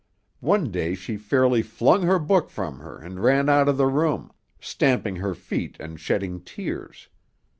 One day she fairly flung her book from her and ran out of the room, stamping her feet and shedding tears.